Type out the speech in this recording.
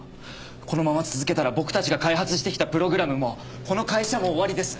このまま続けたら僕たちが開発してきたプログラムもこの会社も終わりです。